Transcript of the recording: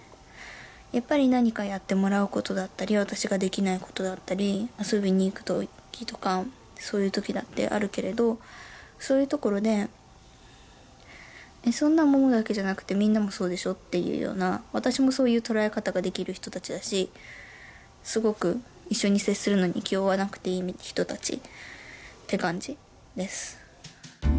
やっぱり何かやってもらうことだったり私ができないことだったり遊びに行く時とかそういう時だってあるけれどそういうところでそんなんももだけじゃなくてみんなもそうでしょっていうような私もそういう捉え方ができる人達だしすごく一緒に接するのに気負わなくていい人達って感じです